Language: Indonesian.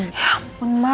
ya ampun ma